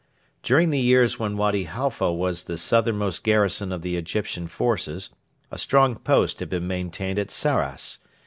During the years when Wady Halfa was the southernmost garrison of the Egyptian forces a strong post had been maintained at Sarras.